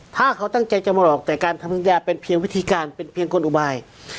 ถ้าเขาตั้งใจจะมาหลอกแต่การทำสัญญาเป็นเพียงวิธีการเป็นเพียงกลอุบาย